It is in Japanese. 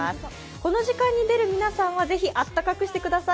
この時間に出る皆さんは、ぜひあったかくしてください。